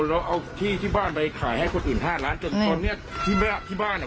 เราเอาที่ที่บ้านไปขายให้คนอื่นห้าล้านจนตอนนี้ที่บ้านอ่ะ